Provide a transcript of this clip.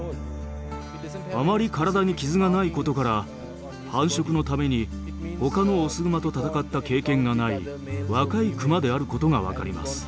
あまり体に傷がないことから繁殖のために他のオスグマと戦った経験がない若いクマであることが分かります。